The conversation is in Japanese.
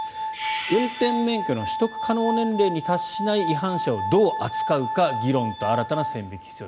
運転免許の取得可能年齢に達しない違反者をどう扱うか議論と新たな線引きが必要。